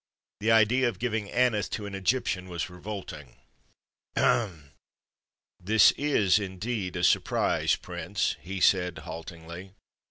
The idea of giving Aneth to an Egyptian was revolting. "Ahem! This is indeed a surprise, Prince," he said, haltingly.